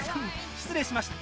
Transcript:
失礼しました。